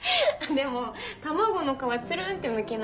でも卵の殻つるんってむけないからやって。